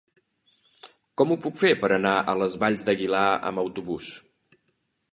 Com ho puc fer per anar a les Valls d'Aguilar amb autobús?